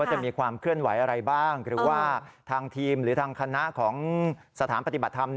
จะมีความเคลื่อนไหวอะไรบ้างหรือว่าทางทีมหรือทางคณะของสถานปฏิบัติธรรม